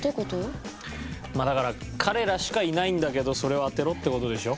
だから彼らしかいないんだけどそれを当てろって事でしょ。